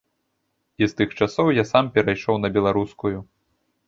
І з тых часоў я сам перайшоў на беларускую.